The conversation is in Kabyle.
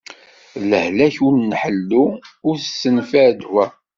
D lehlak ur nḥellu, ur s-tenfiɛ ddwa.